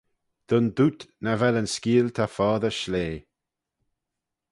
Dyn dooyt nagh vel yn skeeal ta foddey shlea.